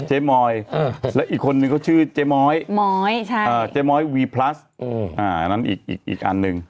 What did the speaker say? เจมส์มอยแล้วอีกคนนึงก็ชื่อเจมส์มอยมอยใช่เจมส์มอยวีพลัสอันนั้นอีกอันนึง